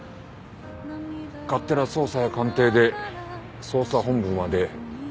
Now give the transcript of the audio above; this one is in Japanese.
勝手な捜査や鑑定で捜査本部まで立たせたのにな。